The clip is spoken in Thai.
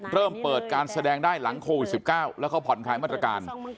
เริ่มเปิดการแสดงได้หลังโควิด๑๙แล้วเขาผ่อนคลายมาตรการ